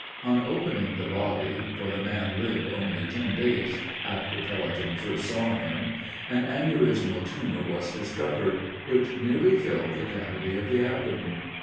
On opening the body (for the man lived only ten days after Pelletan first saw him) an aneurismal tumor was discovered, which nearly filled the cavity of the abdomen.